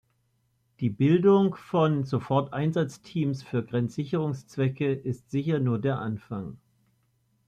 Die Bildung von Soforteinsatzteams für Grenzsicherungszwecke ist sicher nur der Anfang.